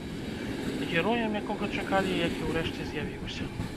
Героем, якога чакалі, і які ўрэшце з'явіўся.